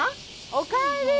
おかえり。